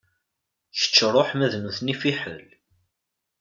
Kečč ṛuḥ ma d nutni fiḥel.